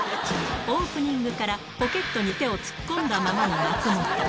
オープニングから、ポケットに手を突っ込んだままの松本。